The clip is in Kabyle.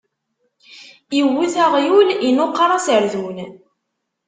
Iwwet aɣyul, inuqeṛ aserdun.